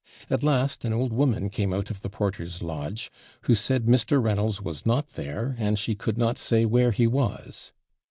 At last an old woman came out of the porter's lodge, who said Mr. Reynolds was not there, and she could not say where he was.